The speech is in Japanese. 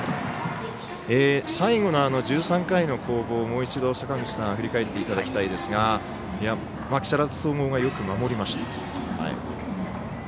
最後の１３回の攻防をもう一度、坂口さんに振り返っていただきたいですが木更津総合がよく守りました。